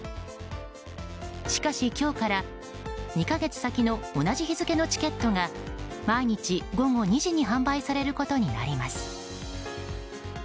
しかし今日から２か月先の同じ日付のチケットが毎日午後２時に販売されることになります。